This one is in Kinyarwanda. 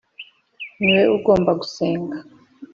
Ni we ugomba gusenga